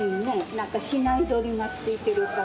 なんか比内鶏がついてるから。